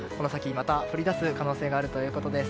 また降り出す可能性があるということです。